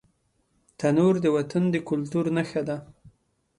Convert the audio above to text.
تنور د وطن د کلتور نښه ده